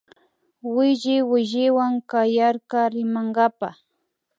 Williwilliwan kayarka rimankapa